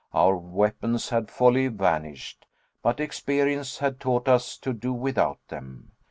Our weapons had wholly vanished. But experience had taught us to do without them.